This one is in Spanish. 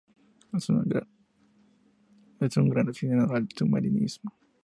Es un gran aficionado al submarinismo.